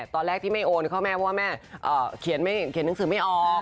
ตอนแรกที่ไม่โอนเข้าแม่เพราะว่าแม่เขียนหนังสือไม่ออก